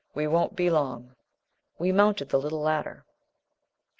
"We won't be long." We mounted the little ladder.